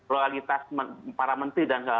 realitas para menteri dan